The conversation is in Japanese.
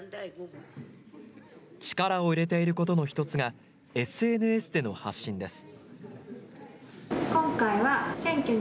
力を入れていることの１つがＳＮＳでの発信です。